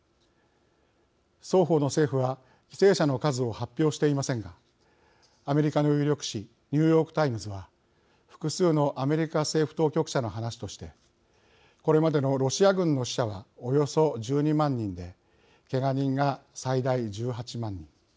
双方の政府は犠牲者の数を発表していませんがアメリカの有力紙ニューヨークタイムズは複数のアメリカ政府当局者の話としてこれまでのロシア軍の死者はおよそ１２万人でけが人が最大１８万人。